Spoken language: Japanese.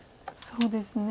そうですね。